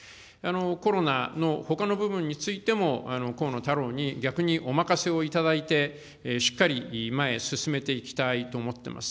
コロナのほかの部分についても、河野太郎に逆にお任せをいただいて、しっかり前へ進めていきたいと思っています。